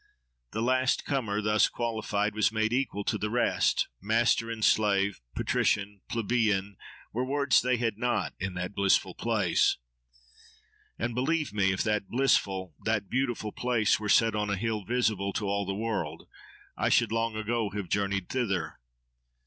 The last comer, thus qualified, was made equal to the rest: master and slave, patrician, plebeian, were words they had not—in that blissful place. And believe me, if that blissful, that beautiful place, were set on a hill visible to all the world, I should long ago have journeyed thither.